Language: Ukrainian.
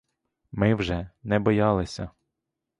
Ми вже не боялися.